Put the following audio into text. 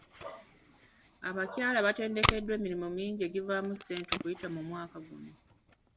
Abakyala batendekeddwa emirimu mingi egivaamu ssente okuyita mu mwaka gwonna.